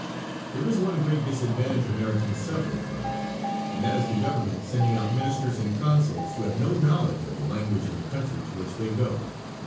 There is one great disadvantage Americans suffer from, and that is the government sending out ministers and consuls who have no knowledge of the language in the country to which they go.